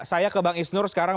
saya ke bang isnur sekarang